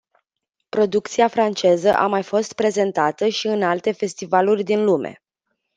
Producția franceză a mai fost prezentată și în alte festivaluri din lume.